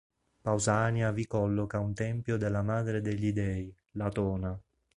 Pausania vi colloca un tempio della madre degli dei, Latona.